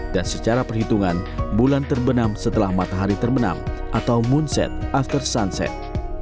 dan secara perhitungan bulan terbenam setelah matahari terbenam atau moonset after sunset